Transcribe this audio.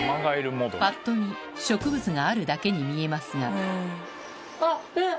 ぱっと見植物があるだけに見えますがあっえっ？